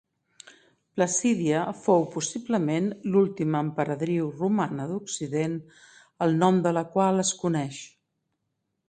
Placídia fou possiblement l'última emperadriu romana d'Occident el nom de la qual es coneix.